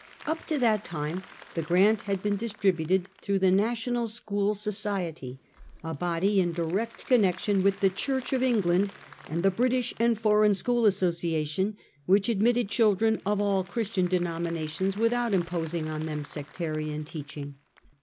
Up to that time the grant had been distributed through the National School Society, a body in direct connection with the Church of England, and the British and Foreign School Association, which admitted children of all Christian denominations without imposing on them sectarian teaching.